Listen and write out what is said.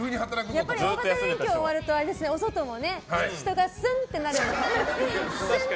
やっぱり大型連休が終わるとお外も人がすんってなるんですね。